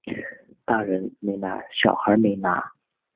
大人没拿小孩没拿